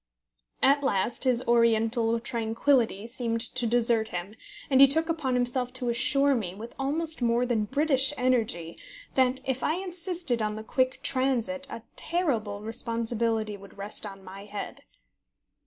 At last his oriental tranquillity seemed to desert him, and he took upon himself to assure me, with almost more than British energy, that, if I insisted on the quick transit, a terrible responsibility would rest on my head.